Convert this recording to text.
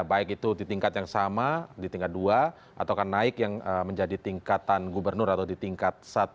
baik itu di tingkat yang sama di tingkat dua atau akan naik yang menjadi tingkatan gubernur atau di tingkat satu